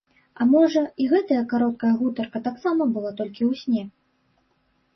А можа, і гэтая кароткая гутарка таксама была толькі ў сне?